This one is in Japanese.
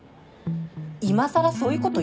いまさらそういうこと言う？